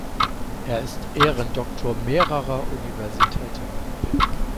Er ist Ehrendoktor mehrerer Universitäten.